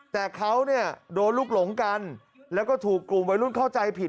แต่เขาเนี่ยโดนลูกหลงกันแล้วก็ถูกกลุ่มวัยรุ่นเข้าใจผิด